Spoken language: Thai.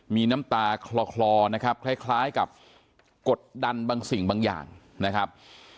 มีน้ำตาคลอนะครับคล้ายกับกดดันบางสิ่งบางอย่างนะครับ